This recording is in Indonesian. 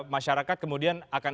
masyarakat kemudian akan